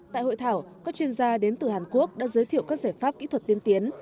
tại hội thảo các chuyên gia đến từ hàn quốc đã giới thiệu các giải pháp kỹ thuật tiên tiến